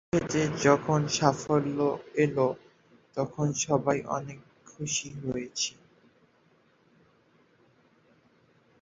দিন শেষে যখন সাফল্য এল, তখন সবাই অনেক খুশি হয়েছি।